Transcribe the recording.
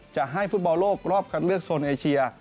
จะให้ฟุตบอลโลกรอบคันเลือกโซนเอเชีย